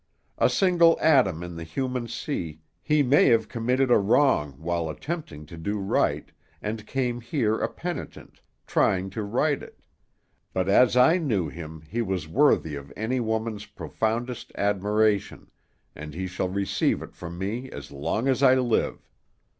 A single atom in the human sea, he may have committed a wrong while attempting to do right, and came here a penitent, trying to right it; but as I knew him he was worthy of any woman's profoundest admiration, and he shall receive it from me as long as I live.